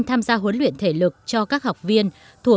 tôi không thể nói cho anh được điều đó